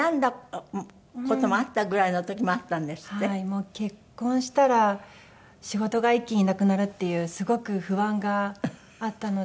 もう結婚したら仕事が一気になくなるっていうすごく不安があったので。